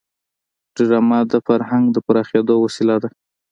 ډرامه د فرهنګ د پراخېدو وسیله ده